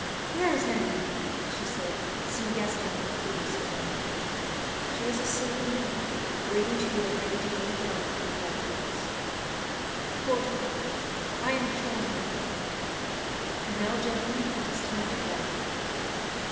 "Where is Nanine?" she said, seeing Gaston and Prudence alone. "She is asleep in your room, waiting till you are ready to go to bed," replied Prudence. "Poor thing, I am killing her! And now gentlemen, it is time to go."